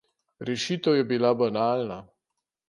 Rešitev je bila banalna.